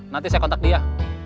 nanti saya kontak dia